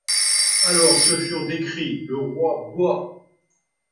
Alors, ce furent des cris: Le roi boit!